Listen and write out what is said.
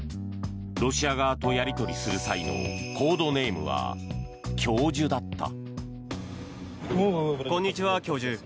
ロシア側とやり取りする際のコードネームは「教授」だった。